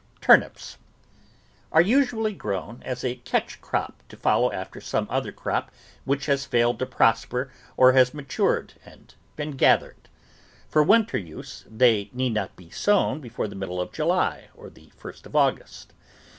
TURNIPS Are usually grown as a catch crop to follow after some other crop which has failed to prosper or has ROOT VEGETABLES matured and been gathered. For winter use, they need not be sown before the middle of July or the first of August.